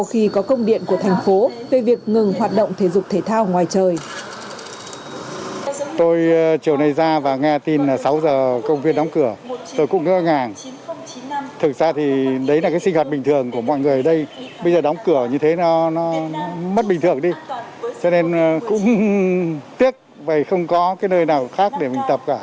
một mươi bảy h ba mươi tại vườn bách thảo hà nội sau khi có công điện của thành phố về việc ngừng hoạt động thể dục thể thao ngoài trời